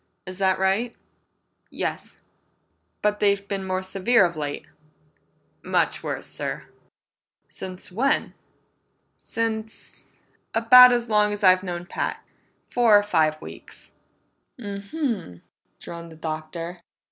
Is that right?" "Yes." "But they've been more severe of late?" "Much worse, sir!" "Since when?" "Since about as long as I've known Pat. Four or five weeks." "M m," droned the Doctor.